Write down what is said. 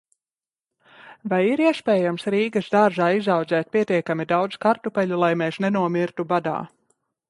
Vai ir iespējams Rīgas dārzā izaudzēt pietiekami daudz kartupeļu, lai mēs nenomirtu badā?